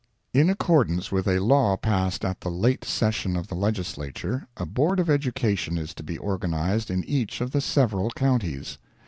—In accordance with a law passed at the late session of the legislature, a Board of Education is to be organized in each of the several counties.